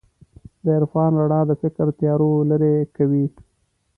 د عرفان رڼا د فکر تیارو لېرې کوي.